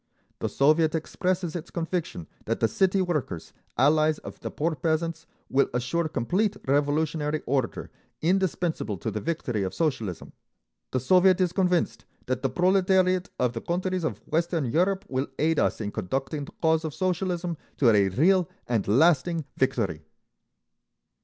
The Soviet expresses its conviction that the city workers, allies of the poor peasants, will assure complete revolutionary order, indispensable to the victory of Socialism. The Soviet is convinced that the proletariat of the countries of Western Europe will aid us in conducting the cause of Socialism to a real and lasting victory.